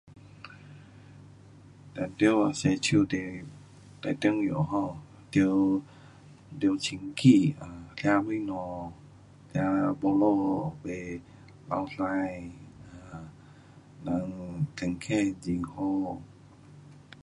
定得洗手是最重要 um 得，得清洁吃东西尔吃肚子不漏粪。人身体很好